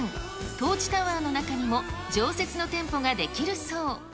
トーチタワーの中にも常設の店舗が出来るそう。